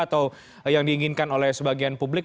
atau yang diinginkan oleh sebagian publik